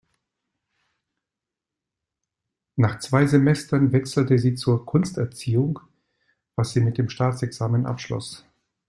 Nach zwei Semestern wechselte sie zur Kunsterziehung, was sie mit dem Staatsexamen abschloss.